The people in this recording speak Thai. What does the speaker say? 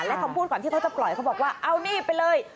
และคำพูดก่อนที่เขาจะปล่อยเขาบอกว่าเอานี่ไปเลย